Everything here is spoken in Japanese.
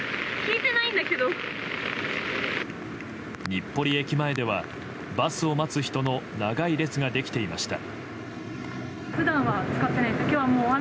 日暮里駅前ではバスを待つ人の長い列ができていました。